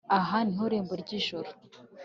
aha ni ho rembo ry'ijuru